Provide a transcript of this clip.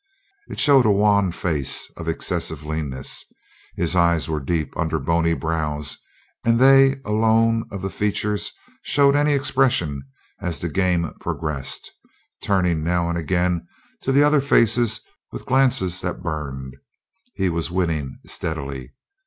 It showed a wan face of excessive leanness. His eyes were deep under bony brows, and they alone of the features showed any expression as the game progressed, turning now and again to the other faces with glances that burned; he was winning steadily.